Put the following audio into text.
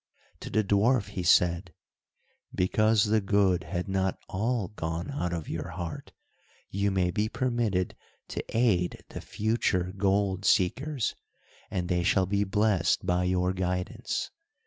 To the dwarf he said, "because the good had not all gone out of your heart, you may be permitted to aid the future gold seekers, and they shall be blessed by your guidance.